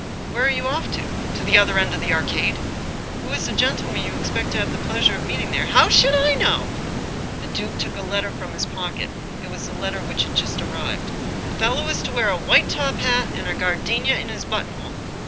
" Where are you off to ?"" To the other end of the Arcade." " Who is the gentleman you expect to have the pleasure of meeting there ?"" How should I know? " The duke took a letter from his pocket — it was the letter which had just arrived. " The fel low is to wear a white top hat, and a gardenia in his buttonhole."